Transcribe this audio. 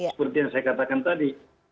seperti yang saya katakan tadi